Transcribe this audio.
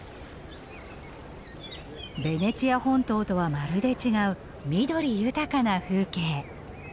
ベネチア本島とはまるで違う緑豊かな風景。